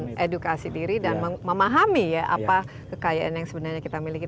mendapat ilmu edukasi diri dan memahami ya apa kekayaan yang sebenarnya kita miliki